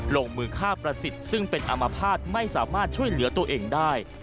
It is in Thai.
ลงมือฆ่าประสิทธิ์ซึ่งเป็นอามภาษณ์ไม่สามารถช่วยเหลือตัวเองได้